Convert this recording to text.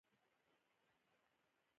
دلته د "روغتیايي پاملرنې" په اړه جملې دي: